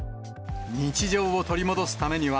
日常を取り戻すためには、